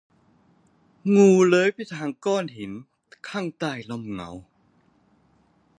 งูเลื้อยไปทางก้อนหินข้างใต้ร่มเงา